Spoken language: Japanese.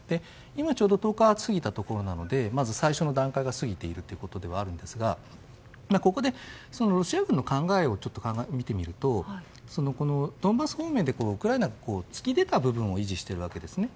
今ちょうど１０日過ぎたところなので最初の段階が過ぎているところではあるんですが、ここでロシア軍の考えを見てみるとドンバス方面でウクライナは突き出た部分を維持しているんですね。